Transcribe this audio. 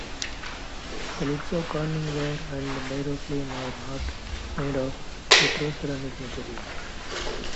The lids of CorningWare and Pyroflam are not made of vitroceramic material.